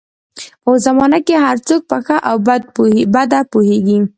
په اوس زمانه کې هر څوک په ښه او بده پوهېږي